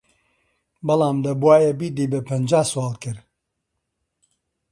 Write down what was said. بەڵام دەبوایە بیدەی بە پەنجا سواڵکەر!